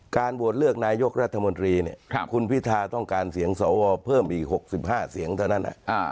โหวตเลือกนายกรัฐมนตรีคุณพิทาต้องการเสียงสวเพิ่มอีก๖๕เสียงเท่านั้น